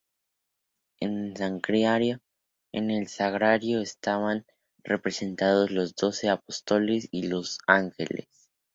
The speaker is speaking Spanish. En el sagrario estaban representados los doce apóstoles y los ángeles.